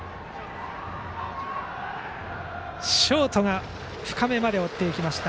ショートが深めまで追っていきました。